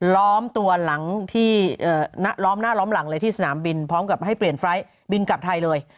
ล้อมตัวหลังที่ล้อมหน้าล้อมหลังเลยที่สนามบินพร้อมกับให้เปลี่ยนไฟล์ทบินกลับไทยเลย